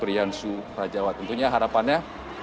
priyansu rajawat tentunya harapannya